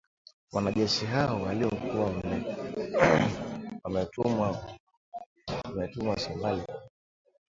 Wanajeshi hao walikuwa wametumwa Somalia kufanya kazi na wanajeshi wa Somalia na kuwataka badala yake waingie nchini humo mara kwa mara kusaidia .